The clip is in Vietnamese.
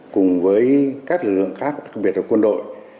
cùng với các lực lượng khác việc là quân đội